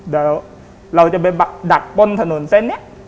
เดี๋ยวเราจะไปดักป้นถนนเส้นนี้